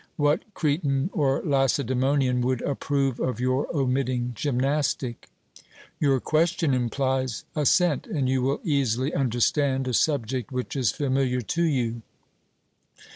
'What Cretan or Lacedaemonian would approve of your omitting gymnastic?' Your question implies assent; and you will easily understand a subject which is familiar to you.